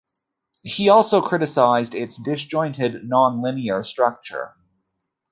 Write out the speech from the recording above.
He also criticized its disjointed, non-linear structure.